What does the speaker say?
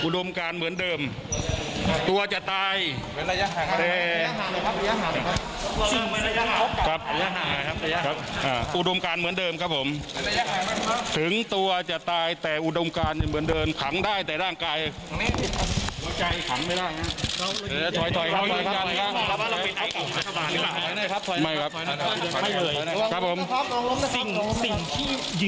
แต่สิ่งที่เหยื่อครับคือว่าเราแอบทางเลยอย่างนี้